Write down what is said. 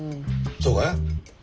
そうかい？